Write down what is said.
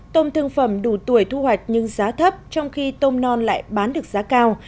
tôm thương phẩm đủ tuổi thu hoạch nhưng giá thấp trong khi tôm non lại bán được giá cao